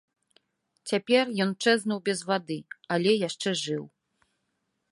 Цяпер ён чэзнуў без вады, але яшчэ жыў.